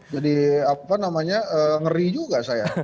apa namanya ngeri juga saya